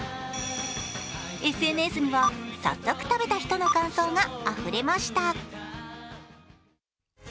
ＳＮＳには早速食べた人の感想があふれました。